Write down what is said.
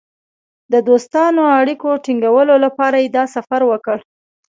د دوستانه اړیکو ټینګولو لپاره یې دا سفر وکړ.